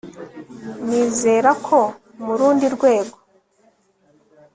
Nizera ko mu rundi rwego